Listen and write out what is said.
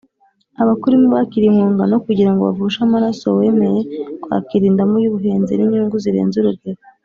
Abakurimo bakiriye impongano kugira ngo bavushe amaraso, wemeye kwakira indamu y’ubuhenzi n’inyungu zirenze urugero,